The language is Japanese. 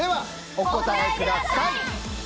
お答えください！